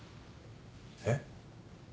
えっ？